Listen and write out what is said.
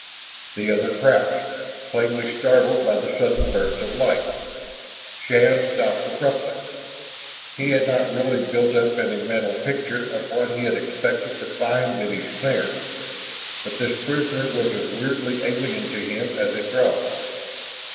The other crouched, plainly startled by the sudden burst of light. Shann stopped abruptly. He had not really built up any mental picture of what he had expected to find in his snare, but this prisoner was as weirdly alien to him as a Throg.